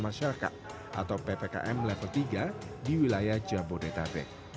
masyarakat atau ppkm level tiga di wilayah jabodetabek